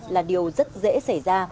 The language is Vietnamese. là điều rất dễ xảy ra